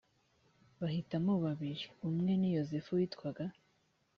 bahitamo babiri umwe ni yosefu witwaga